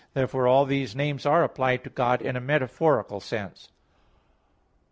Therefore all these names are applied to God in a metaphorical sense.